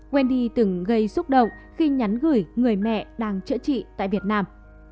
quen đi từng gây xúc động khi nhắn gửi người mẹ đang chữa trị tại việt nam